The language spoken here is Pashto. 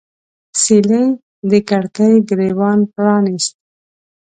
سیلۍ د کړکۍ ګریوان پرانیست